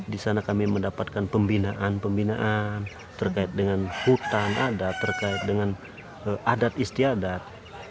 di sana kami mendapatkan pembinaan pembinaan terkait dengan hutan adat terkait dengan adat istiadat